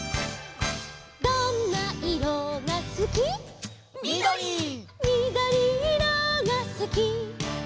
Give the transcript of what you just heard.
「どんないろがすき」「みどり」「みどりいろがすき」